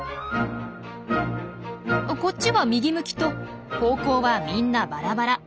こっちは右向きと方向はみんなバラバラ。